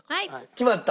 決まった。